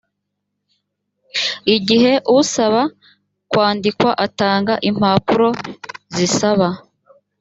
igihe usaba kwandikwa atanga impapuro zisaba